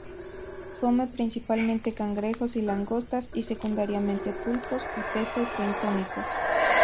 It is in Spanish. Come principalmente cangrejos y langostas, y, secundariamente, pulpos Y peces bentónicos.